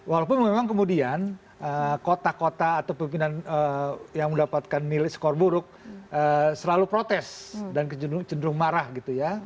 walaupun memang kemudian kota kota atau pimpinan yang mendapatkan nilai skor buruk selalu protes dan cenderung marah gitu ya